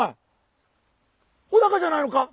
ほだかじゃないのか？